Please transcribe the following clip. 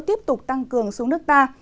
tiếp tục tăng cường xuống nước ta